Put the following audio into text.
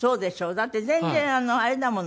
だって全然あれだもの。